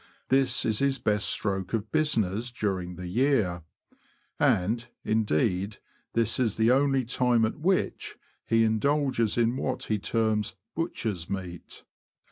This is his best stroke of business during the year; and, indeed, this is the only time at which he indulges in what he terms '' butcher's meat.''